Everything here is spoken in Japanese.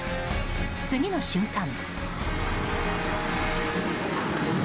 次の瞬間。